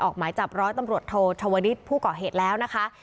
หมายจับร้อยตำรวจโทชวลิศผู้ก่อเหตุแล้วนะคะ